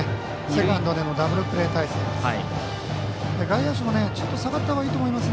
セカンドでのダブルプレー態勢です。